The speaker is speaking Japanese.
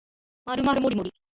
まるまるもりもり